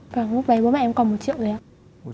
và lúc đấy bố mẹ em còn một triệu đấy ạ